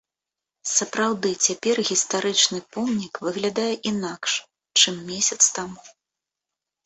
Сапраўды, цяпер гістарычны помнік выглядае інакш, чым месяц таму.